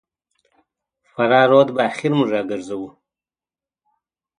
فراه رود به اخر موږ راګرځوو.